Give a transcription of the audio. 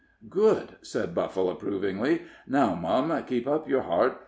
"Good," said Buffle, approvingly. "Now, mum, keep up yer heart.